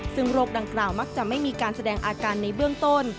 ซึ่งโรคดังกล่าวมักจะไม่มีการแสดงอาการในเบื้องต้น